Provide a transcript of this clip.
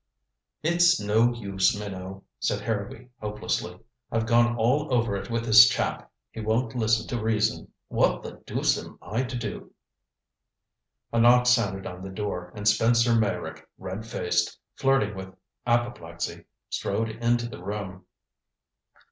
"It's no use, Minot," said Harrowby hopelessly. "I've gone all over it with this chap. He won't listen to reason. What the deuce am I to do?" A knock sounded on the door and Spencer Meyrick, red faced, flirting with apoplexy, strode into the room.